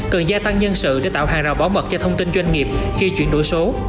cần gia tăng nhân sự để tạo hàng rào bảo mật cho thông tin doanh nghiệp khi chuyển đổi số